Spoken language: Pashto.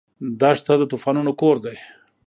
دښته د طوفانونو کور دی.